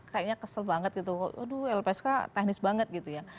kayaknya kesel banget gitu aduh lpsk teknis banget gitu ya